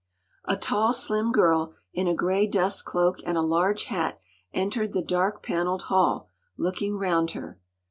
A tall, slim girl, in a grey dust cloak and a large hat, entered the dark panelled hall, looking round her.